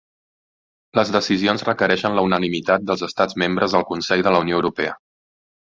Les decisions requereixen la unanimitat dels estats membres al Consell de la Unió Europea.